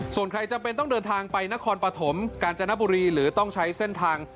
ส่วนใครจำเป็นต้องเดินทางไปนครปฐมกาญจนบุรีหรือต้องใช้เส้นทาง